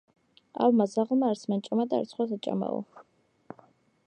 ავმა ძაღლმა არც მან ჭამა და არც სხვას აჭამაო